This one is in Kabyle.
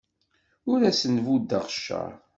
Ur asen-buddeɣ cceṛ.